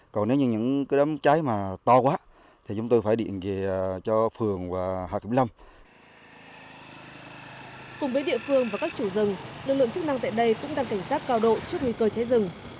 cùng với địa phương và các chủ rừng lực lượng chức năng tại đây cũng đang cảnh giác cao độ trước nguy cơ cháy rừng